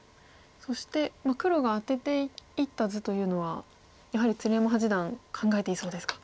そして黒がアテていった図というのはやはり鶴山八段考えていそうですか。